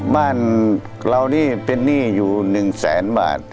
บ้านเรานี่เป็นหนี้อยู่๑แสนบาท